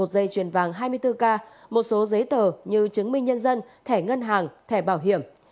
một dây chuyền vàng hai mươi bốn k một số giấy tờ như chứng minh nhân dân thẻ ngân hàng thẻ bảo hiểm